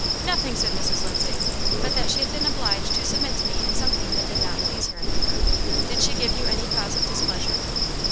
"Nothing," said Mrs. Lindsay, "but that she had been obliged to submit to me in something that did not please her." "Did she give you any cause of displeasure?"